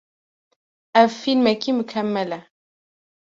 Ev fîlmekî mukemel e.